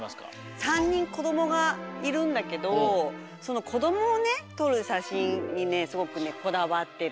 ３にんこどもがいるんだけどそのこどもをねとるしゃしんにねすごくねこだわってる。